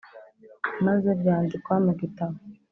maze byandikwa mu gitabo